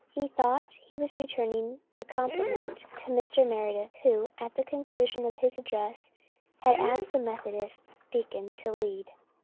He thought he was returning the compliment to Mr. Meredith, who, at the conclusion of his address, had asked a Methodist deacon to lead.